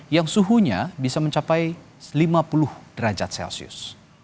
yang suhunya bisa mencapai lima puluh derajat celcius